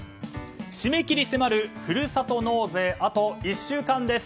締め切り迫るふるさと納税、あと１週間です。